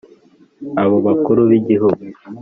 abo bakuru b'ibihugu